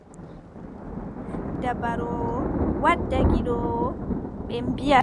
Jawmiraawo wadda baroowo, wadda gidoowo, ɓe mbiʼata.